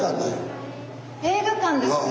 映画館ですね。